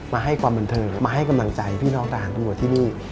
มาให้ความบันเทิงมาให้กำลังใจพี่น้องทหารตำรวจที่นี่